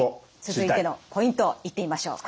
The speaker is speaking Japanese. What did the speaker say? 続いてのポイントいってみましょう。